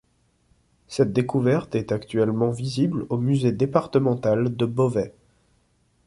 Cette découverte est actuellement visible au Musée départemental de Beauvais.